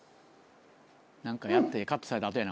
何かやってカットされた後やな